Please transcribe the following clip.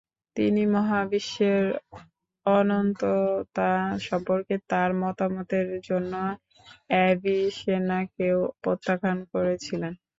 তিনি মহাবিশ্বের অনন্ততা সম্পর্কে তার মতামতের জন্য অ্যাভিসেনাকেও প্রত্যাখ্যান করেছিলেন।